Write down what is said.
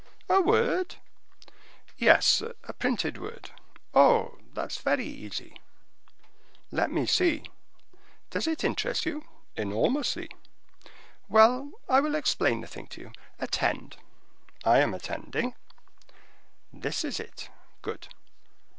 "A word?" "Yes, a printed word." "Oh, that's very easy." "Let me see." "Does it interest you?" "Enormously." "Well, I will explain the thing to you. Attend." "I am attending." "This is it." "Good."